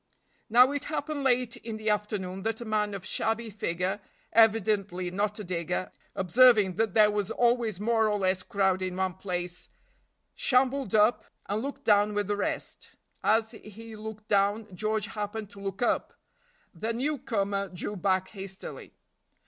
Now it happened late in the afternoon that a man of shabby figure, evidently not a digger, observing that there was always more or less crowd in one place, shambled up and looked down with the rest; as he looked down, George happened to look up; the newcomer drew back hastily.